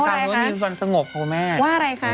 มันว่าอะไรคะว่าอะไรคะในโอกาสมันมีส่วนสงบของแม่